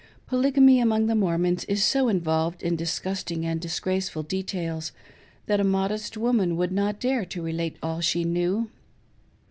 Polygamy among the Mormons is so involved in disgusting and disgraceful details, that a modest woman would not dare to relate all she knew.